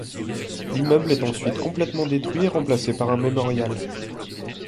L'immeuble est ensuite complètement détruit et remplacé par un mémorial.